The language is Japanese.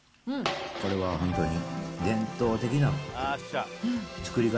これは本当に、伝統的なプリン。